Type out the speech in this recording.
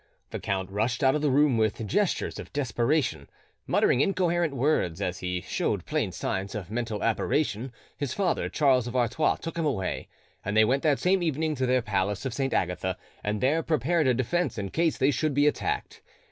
The count rushed out of the room with gestures of desperation, muttering incoherent words; and as he shewed plain signs of mental aberration, his father, Charles of Artois, took him away, and they went that same evening to their palace of St. Agatha, and there prepared a defence in case they should be attacked.